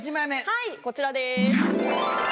はいこちらです。